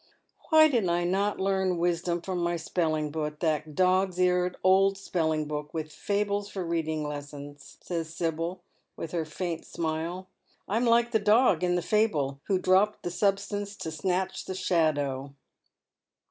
" Why did I not learn wisdom from my spelling book, that ioir's eared old spelling book, with fables for reading lessons ?" Aieach Investigate*. 343 gays Sibyl, with her faint smile. " I am likf ihe dog in the fable, who dropped the subetanoe to snatch the shadow."